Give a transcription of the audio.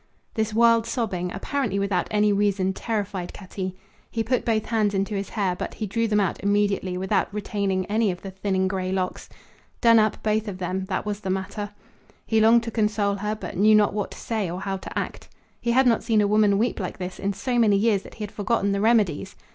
This wild sobbing apparently without any reason terrified Cutty. He put both hands into his hair, but he drew them out immediately without retaining any of the thinning gray locks. Done up, both of them; that was the matter. He longed to console her, but knew not what to say or how to act. He had not seen a woman weep like this in so many years that he had forgotten the remedies.